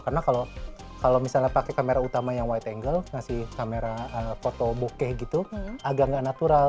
karena kalau misalnya pakai kamera utama yang wide angle ngasih kamera foto bokeh gitu agak nggak natural